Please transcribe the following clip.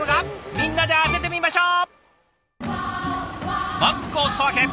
みんなで当ててみましょう！